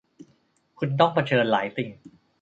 คุณต้องเผชิญหลายสิ่ง